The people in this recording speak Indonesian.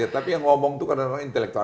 tapi yang ngomong itu kadang kadang intelektual